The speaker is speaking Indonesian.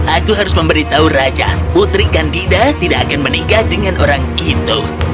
aku harus memberitahu raja putri candida tidak akan menikah dengan orang itu